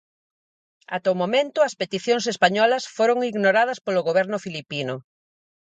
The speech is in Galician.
Ata o momento as peticións españolas foron ignoradas polo Goberno filipino.